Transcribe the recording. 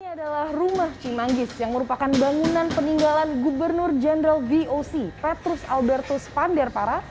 ini adalah rumah cimanggis yang merupakan bangunan peninggalan gubernur jenderal voc petrus albertus panderpara